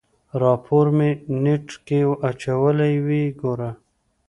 راپور مې نېټ کې اچولی ويې ګوره.